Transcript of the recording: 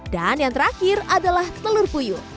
dan yang terakhir adalah telur puyuh